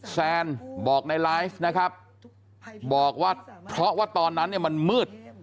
แซนบอกในไลฟ์นะครับบอกว่าเพราะว่าตอนนั้นเนี่ยมันมืด